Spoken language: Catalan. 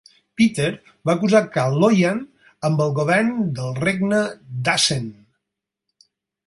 Peter va acusar Kaloyan amb el govern del regne d'Assen.